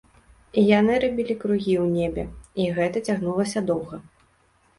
Яны рабілі кругі ў небе, і гэта цягнулася доўга.